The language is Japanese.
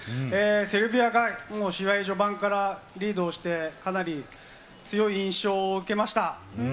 セルビアが試合序盤からリードをして、かなり強い印象を受けまし